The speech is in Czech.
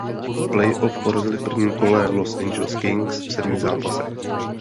V playoff porazili v prvním kole Los Angeles Kings v sedmi zápasech.